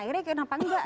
akhirnya kenapa enggak